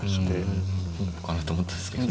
本譜かなと思ったんですけどね。